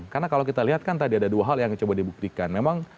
karena kalau kita lihat kan tadi ada dua hal yang coba dibuktikan